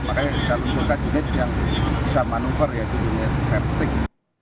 makanya bisa lumpur kabinet yang bisa manuver yaitu unit fair stick